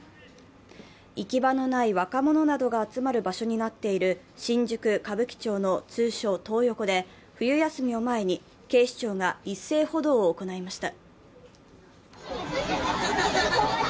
行き場のない若者などが集まる場所になっている新宿・歌舞伎町の通称トー横で冬休みを前に警視庁が一斉補導を行いました。